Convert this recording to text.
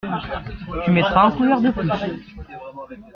Tu mettras un couvert de plus.